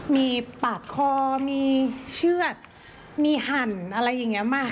มีปากคอมีเชือดมีหั่นอะไรอย่างนี้มาก